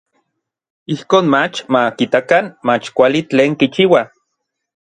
Ijkon mach ma kitakan mach kuali tlen kichiua.